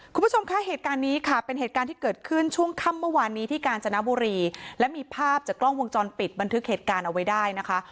คุณผู้ชมคะเหตุการณ์นี้ค่ะเป็นเหตุการณ์ที่เกิดขึ้นช่วงค่ำเมื่อวานนี้ที่กาญจนบุรีและมีภาพจากกล้องวงจรปิดบันทึกเหตุการณ์เอาไว้ได้นะคะ